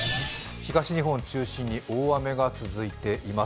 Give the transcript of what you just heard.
東日本を中心に大雨が続いています。